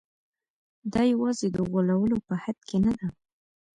دا یوازې د غولولو په حد کې نه ده.